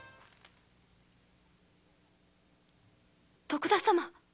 徳田様。